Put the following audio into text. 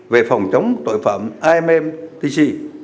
về phòng chống tội phạm immtc